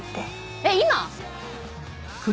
えっ今？